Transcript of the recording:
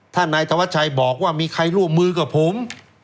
ถ้านายธวัชชัยบอกว่ามีใครร่วมมือกับผม